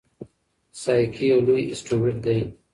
سایکي یو لوی اسټروېډ دی.